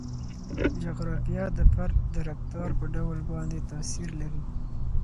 جغرافیه د فرد د رفتار په ډول باندې تاثیر لري.